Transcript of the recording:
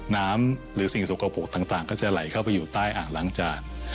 หรือสิ่งสกปรกต่างก็จะไหลเข้าไปอยู่ใต้อ่างล้างจาน